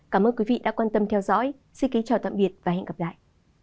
cảm ơn các bạn đã quan tâm theo dõi xin kính chào tạm biệt và hẹn gặp lại